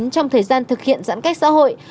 trong thời gian thực hiện giãn cách xã hội